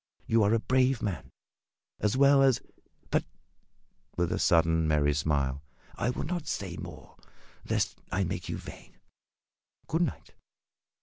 You are a brave man, as well as a But," with a sudden, merry smile, "I will not say more, lest I make you vain. Good night!"